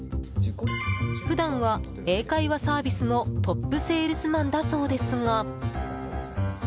普段は英会話サービスのトップセールスマンだそうですが。